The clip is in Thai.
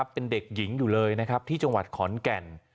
เป็นเด็กหญิงอยู่เลยนะครับที่จังหวัดขอนแก่น